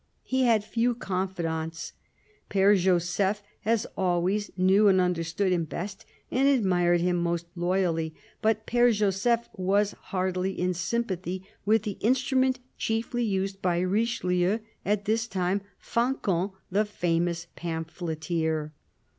He had few confidants. P^re Joseph, as always, knew and understood him best and admired him most loyally ; but Pere Joseph was hardly in sympathy with the instrument chiefly used by Richelieu at this time — Fancan, the famous pamphleteer.